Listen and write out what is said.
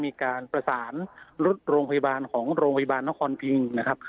มีการประสานรถโรงพยาบาลของโรงพยาบาลนครพิงนะครับ